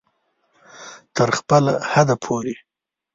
تر خپل حده پورې